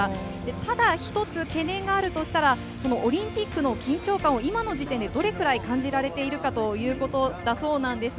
ただ一つ懸念があるとしたらオリンピックの緊張感を今の時点でどれくらい感じられているかということです。